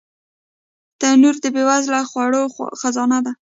تنور د بې وزله خوړو خزانه ده